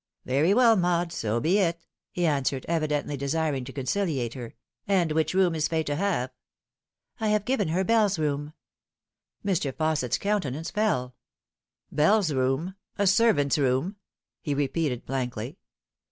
" Very well, Maud, so be it," he answered, evidently desiring to conciliate her. " And which room is Fay to have ?"" I have given her Bell's room." Mr. Fausset's countenance fell. fay. 15 " Bell's room a servant's room !" he repeated blankly.